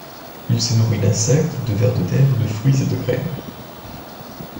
Il se nourrit d'insectes, de vers de terre, de fruits et de graines.